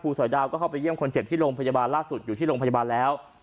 สอยดาวก็เข้าไปเยี่ยมคนเจ็บที่โรงพยาบาลล่าสุดอยู่ที่โรงพยาบาลแล้ว